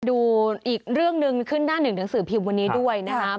ดูอีกเรื่องหนึ่งขึ้นหน้าหนึ่งหนังสือพิมพ์วันนี้ด้วยนะครับ